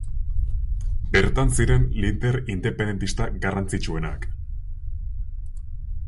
Bertan ziren lider independentista garrantzitsuenak.